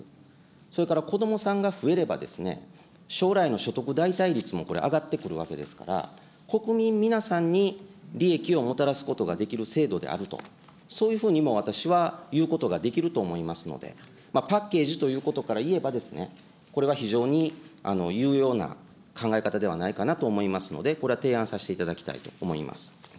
それから、子どもさんが増えればですね、将来の所得代替率もこれ、上がってくるわけですから、国民皆さんに利益をもたらすことができる制度であると、そういうふうにも私は言うことができると思いますので、パッケージということからいえばですね、これは非常に有用な考え方ではないかなと思いますので、これは提案させていただきたいと思います。